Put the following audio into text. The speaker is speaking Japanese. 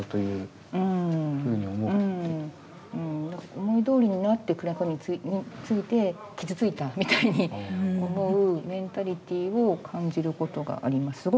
うん思いどおりになってくれないことについて傷ついたみたいに思うメンタリティーを感じることがあります。